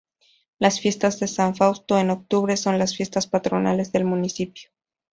Las fiestas de San Fausto en octubre son las fiestas patronales del municipio.